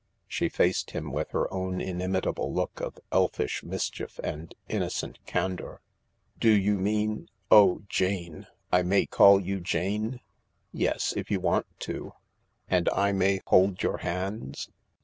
She faced him with her own inimitable look of elfish mischief and innocent candour. " Do you mean Oh, Jane —■ I may call you Jane ?"" Yes, if you want to." " And I may hold your hands."